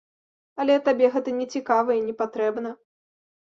Але табе гэта нецікава і непатрэбна.